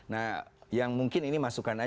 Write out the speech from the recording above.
nah yang mungkin ini masukkan aja mas ya